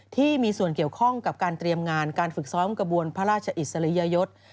ที่มีส่วนเกี่ยวข้องกับการเตรียมงานการฝึกซ้อมกระบวนพระราชอิสริยยศ